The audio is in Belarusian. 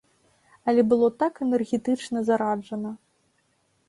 Але было так энергетычна зараджана!